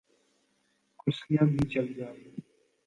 کرسیاں بھی چل جائیں۔